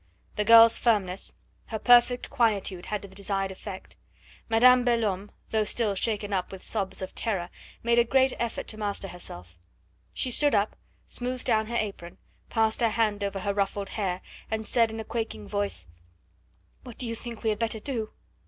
The girl's firmness, her perfect quietude had the desired effect. Madame Belhomme, though still shaken up with sobs of terror, made a great effort to master herself; she stood up, smoothed down her apron, passed her hand over her ruffled hair, and said in a quaking voice: "What do you think we had better do?"